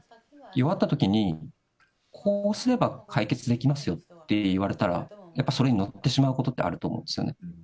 弱ったときに、こうすれば解決できますよって言われたら、やっぱりそれに乗ってしまうことってあると思うんですよね。